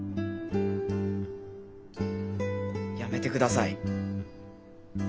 やめてください。